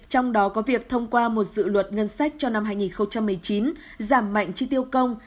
trong đó có việc thông qua một dự luật ngân sách cho năm hai nghìn một mươi chín giảm mạnh chi tiêu công